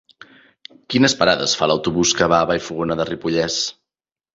Quines parades fa l'autobús que va a Vallfogona de Ripollès?